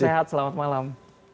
salam sehat selamat malam